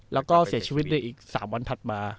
แล้วก็เสียชีวิตในอีก๓วันถัดมา